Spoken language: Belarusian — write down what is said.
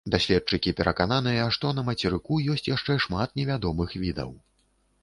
Даследчыкі перакананыя, што на мацерыку ёсць яшчэ шмат невядомых відаў.